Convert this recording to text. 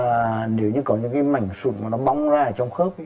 và nếu như có những cái mảnh sụn mà nó bóng ra trong khớp